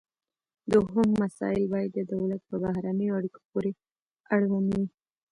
دوهم مسایل باید د دولت په بهرنیو اړیکو پورې اړوند وي